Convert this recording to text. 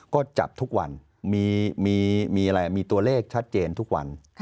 ก็จับทุกวันมีอะไรมีตัวเลขชัดเจนทุกวัน